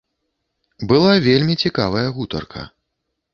Была вельмі цікавая гутарка.